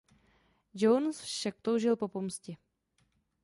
Jones však toužil po pomstě.